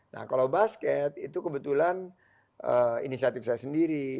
nah kalau basket itu kebetulan inisiatif saya sendiri